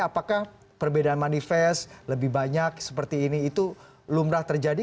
apakah perbedaan manifest lebih banyak seperti ini itu lumrah terjadi